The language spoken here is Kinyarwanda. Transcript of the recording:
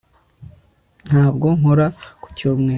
Ntabwo nkora ku cyumweru